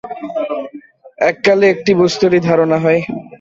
এক-কালে একটি বস্তুরই ধারণা হয়।